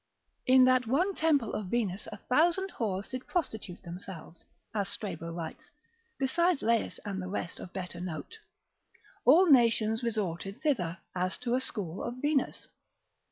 In that one temple of Venus a thousand whores did prostitute themselves, as Strabo writes, besides Lais and the rest of better note: all nations resorted thither, as to a school of Venus.